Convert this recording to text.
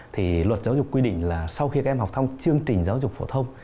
thì luật giáo dục quy định là sau khi các em học xong chương trình giáo dục phổ thông